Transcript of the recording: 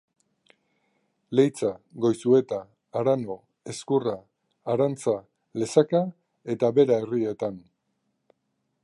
Leitza, Goizueta, Arano, Ezkurra, Arantza, Lesaka eta Bera herrietan.